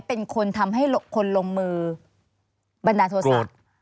เป็นคนทำให้คนลงมือบันดาลโทษะ